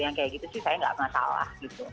yang kayak gitu sih saya nggak masalah gitu